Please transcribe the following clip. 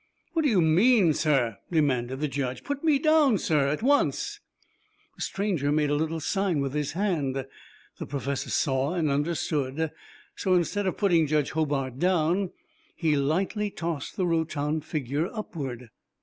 "What do you mean, sir?" demanded the Judge. "Put me down, sir, at once." The stranger made a little sign with his hand. The Professor saw and understood, so instead of putting Judge Hobart down, he lightly tossed the rotund figure upward.